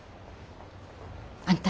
あんた。